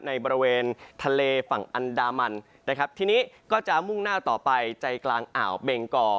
ในบริเวณทะเลฝั่งอันดามันนะครับทีนี้ก็จะมุ่งหน้าต่อไปใจกลางอ่าวเบงกอ